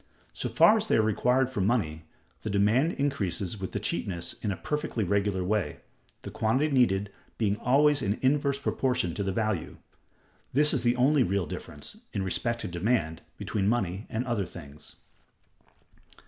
So far as they are required for money, the demand increases with the cheapness in a perfectly regular way, the quantity needed being always in inverse proportion to the value. This is the only real difference, in respect to demand, between money and other things.